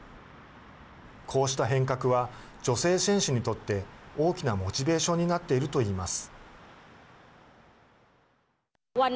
こうした変革は女性選手にとって大きなモチベーションになっていると言います。